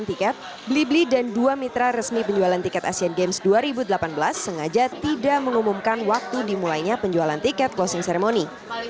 tiket beli beli dan dua mitra resmi penjualan tiket asian games dua ribu delapan belas sengaja tidak mengumumkan waktu dimulainya penjualan tiket closing ceremony